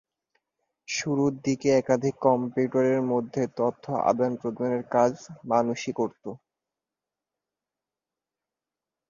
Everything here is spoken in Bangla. শুরুর দিকে একাধিক কম্পিউটারের মধ্যে তথ্য আদানপ্রদানের কাজ মানুষই করত।